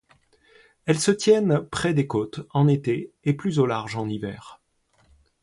Elles se tiennent près des côtes en été et plus au large en hiver.